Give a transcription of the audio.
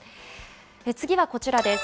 次はこちらです。